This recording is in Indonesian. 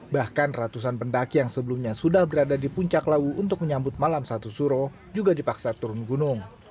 bahkan ratusan pendaki yang sebelumnya sudah berada di puncak lawu untuk menyambut malam satu suro juga dipaksa turun gunung